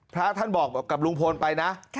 พระท่านบอกกับลุงพลไปนะ